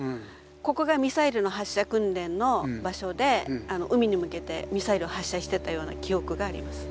ここがミサイルの発射訓練の場所であの海に向けてミサイルを発射してたような記憶があります。